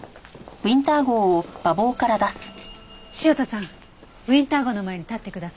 潮田さんウィンター号の前に立ってください。